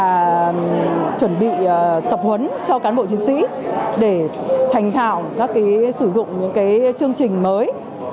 chúng tôi đã chuẩn bị tập huấn cho cán bộ chiến sĩ để thành thạo các cái sử dụng những cái chương trình mới